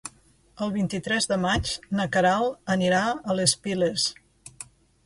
El vint-i-tres de maig na Queralt anirà a les Piles.